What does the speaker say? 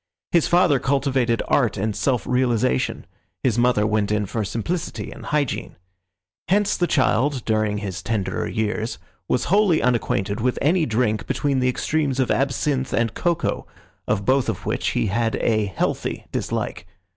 His father cultivated art and self realisation; his mother went in for simplicity and hygiene. Hence the child, during his tenderer years, was wholly unacquainted with any drink between the extremes of absinth and cocoa, of both of which he had a healthy dislike.